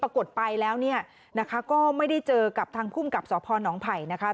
ปรากฏไปแล้วก็ไม่ได้เจอกับทางคุ้มกับสพนภัยนะคะ